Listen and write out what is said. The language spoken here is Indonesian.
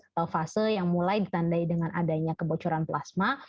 atau fase yang mulai ditandai dengan adanya kebocoran plasma